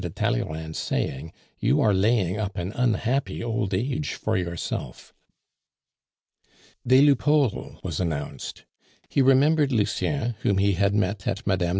de Talleyrand's saying, you are laying up an unhappy old age for yourself." Des Lupeaulx was announced. He remembered Lucien, whom he had met at Mme.